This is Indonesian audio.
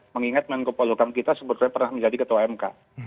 mengingat mengepolukan kita sebetulnya pernah menjadi ketua mk